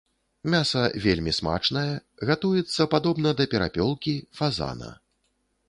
Мяса вельмі смачнае, гатуецца падобна да перапёлкі, фазана.